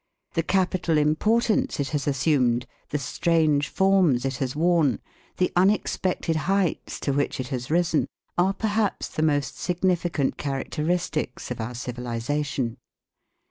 The capital importance it has assumed, the strange forms it has worn, the unexpected heights to which it has risen, are perhaps the most significant characteristics of our civilisation.